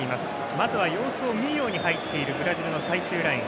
まずは様子を見るように入ってるブラジルの最終ライン。